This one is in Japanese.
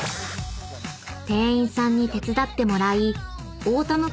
［店員さんに手伝ってもらい］